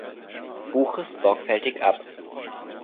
Buches sorgfältig ab.